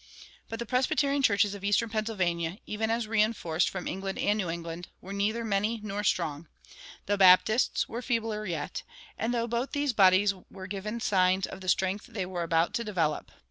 But the Presbyterian churches of eastern Pennsylvania, even as reinforced from England and New England, were neither many nor strong; the Baptists were feebler yet, although both these bodies were giving signs of the strength they were both about to develop.